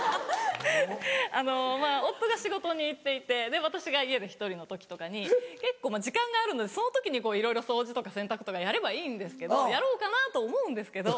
あのまぁ夫が仕事に行っていて私が家で１人の時とかに結構時間があるのでその時にいろいろ掃除とか洗濯とかやればいいんですけどやろうかなと思うんですけど。